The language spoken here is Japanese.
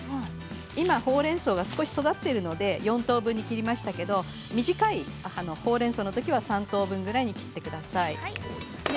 今、ほうれんそうが少し育っているので４等分に切りましたけど短いほうれんそうのときは３等分ぐらいに切ってください。